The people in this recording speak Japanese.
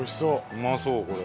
うまそうこれ。